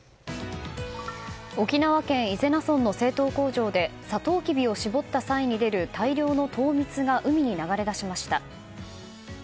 沖縄県伊是名村の製糖工場でサトウキビを搾った際に出る大量の糖蜜が海に流れ出しました。